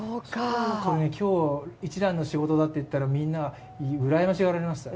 今日、一蘭の仕事だって言ったらみんなにうらやましがられました。